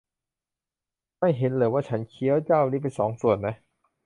ไม่เห็นหรอว่าฉันเคี้ยวเจ้านี้เป็นสองส่วนน่ะ